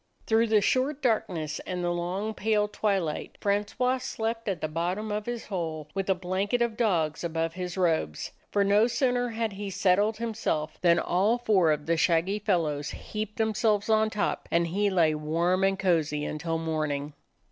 Through the short darkness and the long pale twilight Francois slept at the bottom of his hole, with a blanket of dogs above his robes ; 38 A DOG OF THE NORTHLAND for no sooner had he settled himself than all four of the shaggy fellows heaped themselves on top, and he lay warm and cozy until morn ing.